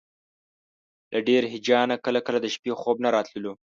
له ډېر هیجانه کله کله د شپې خوب نه راتللو.